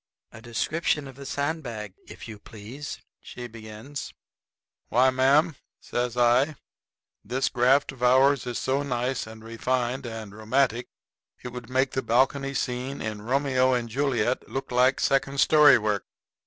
"A description of the sandbag, if you please," she begins. "Why, ma'am," says I, "this graft of ours is so nice and refined and romantic, it would make the balcony scene in 'Romeo and Juliet' look like second story work."